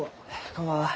こんばんは。